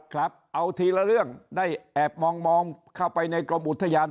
ครับเอาทีละเรื่องได้แอบมองเข้าไปในกรมอุทยาน